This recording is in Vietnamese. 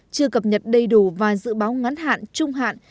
chưa cập nhật đầy đủ và dự báo ngắn hạn trung hạn